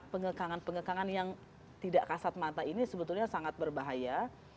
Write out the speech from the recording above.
pengekangan pengekangan yang tidak kasat mata ini sebetulnya sangat berbahaya